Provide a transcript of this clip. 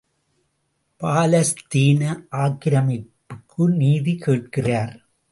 பாலஸ்தீன ஆக்கிரமிப்புக்கு நீதி கேட்கிறார்!